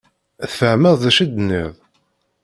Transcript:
Tfehmem d acu i d-nniɣ?